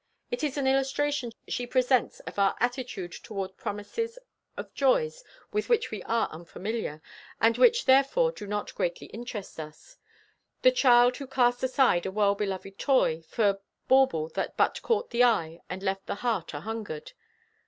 It is an illustration she presents of our attitude toward promises of joys with which we are unfamiliar; and which therefore do not greatly interest us—the child who casts aside a well beloved toy "for bauble that but caught the eye and left the heart ahungered."